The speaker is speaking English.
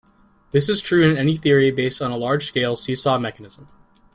This is true in any theory based on a large-scale seesaw mechanism.